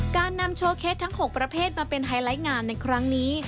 การนำโชว์เคสทั้ง๖ประเภทมาเป็นไฮไลท์งานในครั้งนี้